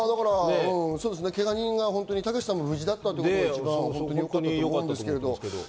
けが人が、たけしさんも無事だったというのは本当によかったですけれど。